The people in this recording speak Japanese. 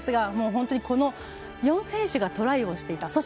この４選手がトライをしていた。